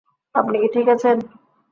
আপনি কি ঠিক আছেন?